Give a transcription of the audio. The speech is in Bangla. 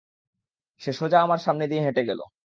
সে সোজা আমার সামনে দিয়ে হেঁটে গেলো।